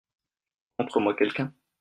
Montre moi quelqu'un.